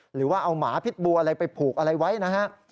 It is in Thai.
หรือว่าเอาหมาพิษบัวอะไรไปผูกอะไรไว้นะฮะ